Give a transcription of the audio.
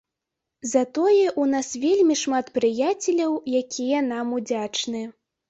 Затое ў нас вельмі шмат прыяцеляў, якія нам удзячны.